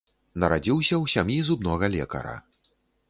Нарадзіўся ў сям'і зубнога лекара.